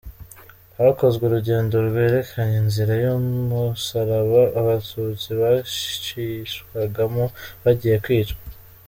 Hakozwe urugendo rwerekanye inzira y’umusaraba Abatutsi bacishwagamo bagiye kwicwa.